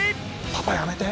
「パパやめて！